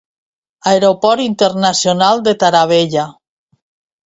Aeroport Internacional de Taravella.